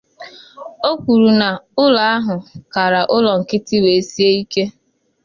O kwuru na ụlọ ahụ kara ụlọ nkịtị wee sie ike